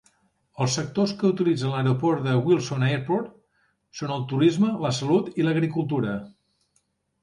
Els sectors que utilitzen l'aeroport de Wilson Airport són el turisme, la salut i l'agricultura.